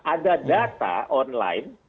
ada data online